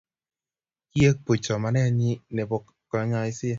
kiek puch somaneng'ing nebo kanyoise?